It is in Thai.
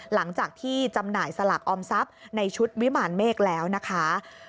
หลังจากที่จำหน่ายสลากออมทรัพย์ในชุดวิมารเมฆแล้วนะคะ